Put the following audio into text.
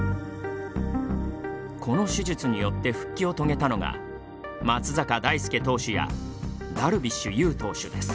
この手術によって復帰を遂げたのが松坂大輔投手やダルビッシュ有投手です。